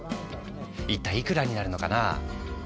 一体いくらになるのかな？